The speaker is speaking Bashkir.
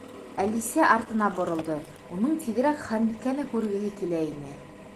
Әлисә артына боролдо —уның тиҙерәк Ханбикәне күргеһе килә ине.